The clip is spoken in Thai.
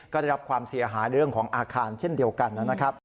ก็ได้รับความเสียหายเรื่องของอาคารเช่นเดียวกันนะครับ